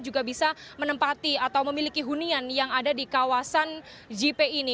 juga bisa menempati atau memiliki hunian yang ada di kawasan jip ini